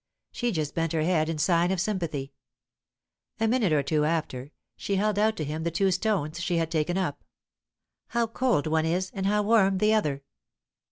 She just bent her head, in sign of sympathy. A minute or two after, she held out to him the two stones she had taken up. "How cold one is, and how warm the other!"